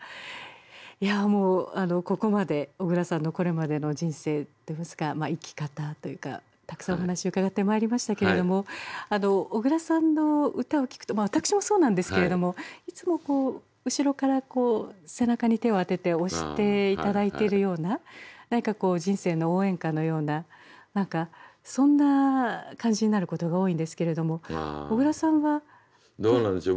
いやもうここまで小椋さんのこれまでの人生といいますか生き方というかたくさんお話伺ってまいりましたけれども小椋さんの歌を聴くと私もそうなんですけれどもいつもこう後ろから背中に手をあてて押して頂いているような何かこう人生の応援歌のような何かそんな感じになることが多いんですけれども小椋さんはどうでしょう。